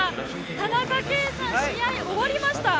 田中圭さん、試合終わりました。